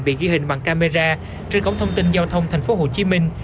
bị ghi hình bằng camera trên cổng thông tin giao thông thành phố hồ chí minh